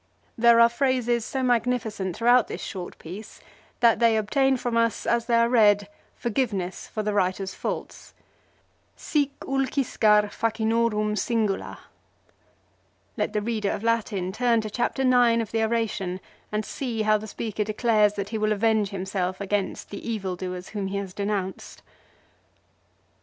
There are phrases so magnificent throughout this short piece that they obtain from us, as they are read, forgiveness for the writer's faults. "Sic ulciscar facinorum singula." Let the reader of Latin turn to Chapter IX of the oration and see how the speaker declares that he will avenge himself against the evildoers whom he has denounced.